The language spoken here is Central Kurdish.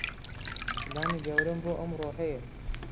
پلانی گەورەم بۆ ئەمڕۆ هەیە.